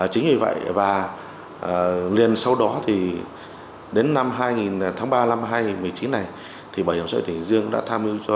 chính vì vậy liền sau đó đến năm hai nghìn một mươi chín bảo hiểm xã hội tỉnh nghị dương đã tham mưu cho